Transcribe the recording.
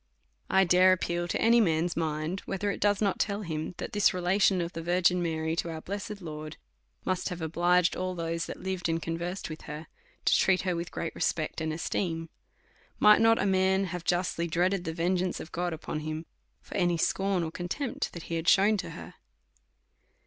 1 dare appeal to any man's mind, whether it does not tell him, that this relation of the Virgin Mary to our. blessed Lord, must liave obliged all those that lived and conversed with her, to treat her with great respect and esteem. Might not a man have justly dreaded the vengeance of God upon him, for any scorn and contempt that he had shewn to her?